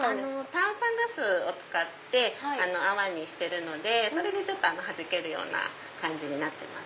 炭酸ガスを使って泡にしてるのでそれではじけるような感じになってます。